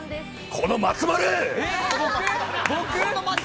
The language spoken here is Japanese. この松丸！